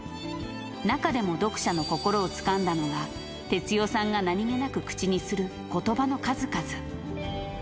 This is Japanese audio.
中でも読者の心をつかんだのが、哲代さんが何気なく口にすることばの数々。